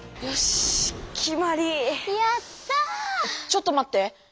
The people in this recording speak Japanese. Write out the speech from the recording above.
ちょっとまって！